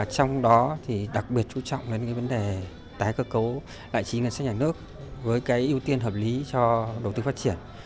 trong đó đặc biệt trú trọng đến vấn đề tái cơ cấu tài chính ngân sách nhà nước với ưu tiên hợp lý cho đầu tư phát triển